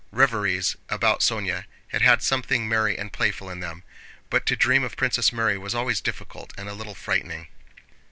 Reveries about Sónya had had something merry and playful in them, but to dream of Princess Mary was always difficult and a little frightening.